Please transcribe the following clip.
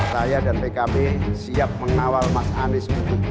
saya dan pkb siap mengawal mas anies